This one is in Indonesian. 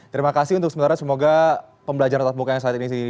terima kasih untuk sebenarnya semoga pembelajaran tetap muka yang saat ini